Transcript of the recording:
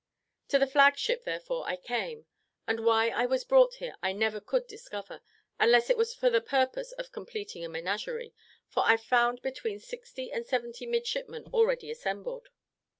To the flag ship, therefore, I came, and why I was brought here, I never could discover, unless it was for the purpose of completing a menagerie, for I found between sixty and seventy midshipmen already assembled.